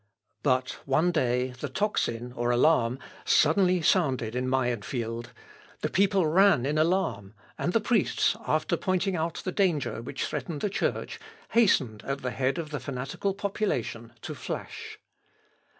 But one day the tocsin suddenly sounded in Mayenfield; the people ran in alarm; and the priests, after pointing out the danger which threatened the Church, hastened at the head of the fanatical population to Flasch.